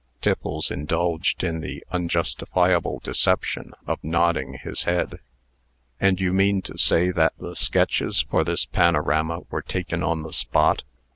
Tiffles indulged in the unjustifiable deception of nodding his head. "And you mean to say that the sketches for this panorama were taken on the spot?"